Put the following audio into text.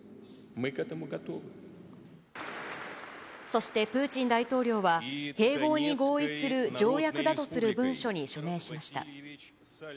そしてプーチン大統領は、併合に合意する条約だとする文書に署名しました。